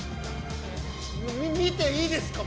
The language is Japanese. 見ていいですか？